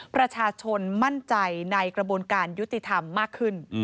ประชาชนมั่นใจในกระบวนการยุติธรรมมากขึ้น